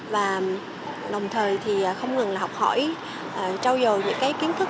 và đồng thời thì không ngừng là học hỏi trao dầu những cái kiến thức